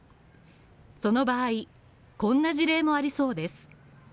その場合、こんな事例もありそうです。